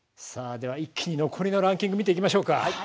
では、一気に残りのランキングを見ていきましょうか。